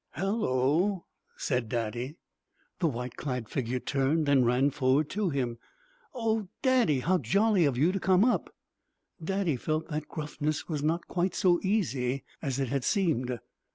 "Halloa!" said Daddy. The white clad figure turned and ran forward to him. "Oh, Daddy, how jolly of you to come up!" Daddy felt that gruffness was not quite so easy as it had seemed.